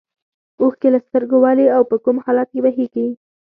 اوښکې له سترګو ولې او په کوم حالت کې بهیږي.